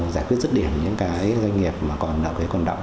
giải quyết dứt điểm những doanh nghiệp nợ thuế còn động